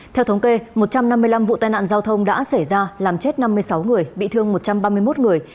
theo thống kê một trăm năm mươi năm vụ tai nạn giao thông đã xảy ra làm chết năm mươi sáu người bị thương một trăm ba mươi một người